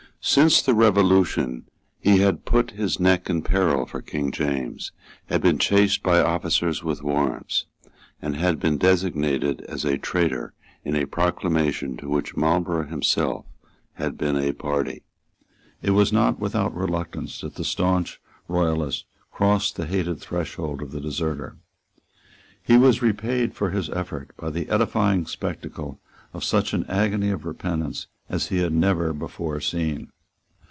Since the Revolution he had put his neck in peril for King James, had been chased by officers with warrants, and had been designated as a traitor in a proclamation to which Marlborough himself had been a party. It was not without reluctance that the stanch royalist crossed the hated threshold of the deserter. He was repaid for his effort by the edifying spectacle of such an agony of repentance as he had never before seen.